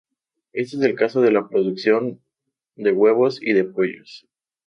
Este es el caso de la producción de huevos o de pollos.